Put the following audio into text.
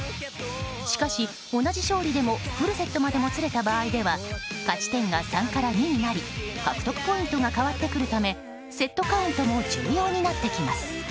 しかし、同じ勝利でもフルセットまでもつれた場合では勝ち点が３から２になり獲得ポイントが変わってくるためセットカウントも重要になってきます。